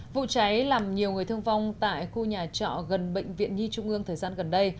vụ cháy làm nhiều người thương vong tại khu nhà trọ gần bệnh viện nhi trung ương thời gian gần đây